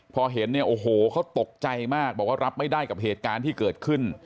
พอเห็นเนี่ยโอ้โหเขาตกใจมากบอกว่ารับไม่ได้กับเหตุการณ์ที่เกิดขึ้น